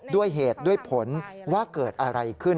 ด้วยเหตุด้วยผลว่าเกิดอะไรขึ้น